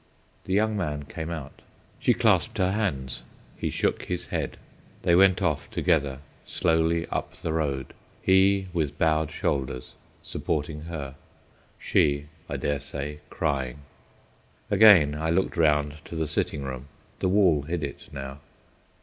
The young man came out; she clasped her hands, he shook his head; they went off together slowly up the road, he with bowed shoulders, supporting her, she, I dare say, crying. Again I looked round to the sitting room. The wall hid it now.